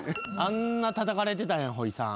あんなたたかれてたんやほいさん。